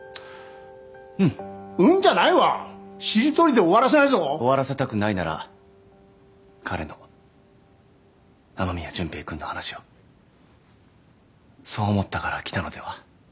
うん「うん」じゃないわしりとりで終わらせないぞ終わらせたくないなら彼の雨宮純平君の話をそう思ったから来たのでは？